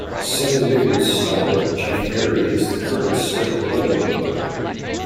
"Seven News" stalwart Geof Parry is the current state political reporter.